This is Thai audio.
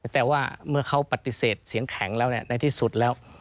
แต่ว่าเมื่อเขาปฏิเสธเสียงแข็งแล้วในที่สุดแล้ว